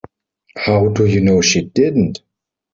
How do you know she didn't?